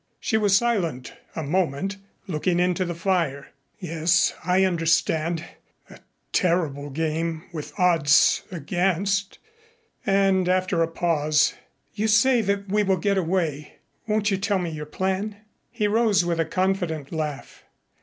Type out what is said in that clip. She was silent a moment looking into the fire. "Yes, I understand a terrible game with odds against " And then, after a pause, "You say that we will get away. Won't you tell me your plan?" He rose with a confident laugh.